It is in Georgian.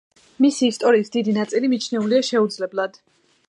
მისი ისტორიის დიდი ნაწილი მიჩნეულია შეუძლებლად.